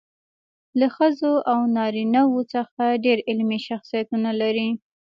له ښځو او نارینه وو څخه ډېر علمي شخصیتونه لري.